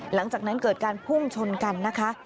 หลังจากนั้นเกิดการพุ่งชนกันนะคะ